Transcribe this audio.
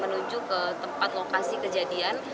menuju ke tempat lokasi kejadian